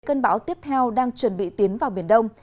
cơn bão tiếp theo đang chuẩn bị tiến vào biển đông